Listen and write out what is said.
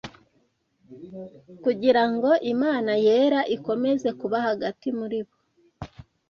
kugira ngo Imana yera ikomeze kuba hagati muri bo